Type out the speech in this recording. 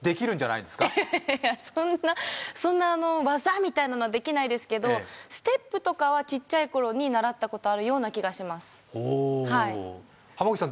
いやそんなそんな技みたいなのはできないですけどステップとかはちっちゃい頃に習ったことあるような気がします浜口さん